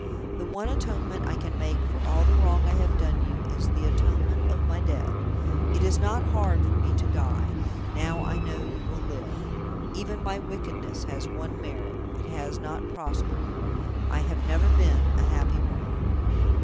The one atonement I can make for all the wrong I have done you is the atonement of my death. It is not hard for me to die, now I know you will live. Even my wickedness has one merit it has not prospered. I have never been a happy woman."